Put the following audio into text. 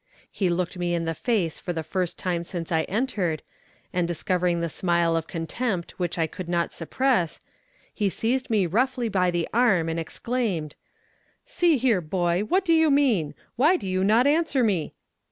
He looked me in the face for the first time since I entered, and discovering the smile of contempt which I could not suppress, he seized me roughly by the arm and exclaimed: "See here boy, what do you mean? Why do you not answer me?"